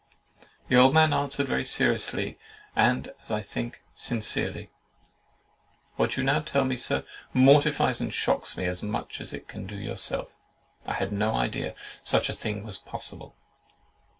The old man answered very seriously, and, as I think, sincerely, "What you now tell me, Sir, mortifies and shocks me as much as it can do yourself. I had no idea such a thing was possible.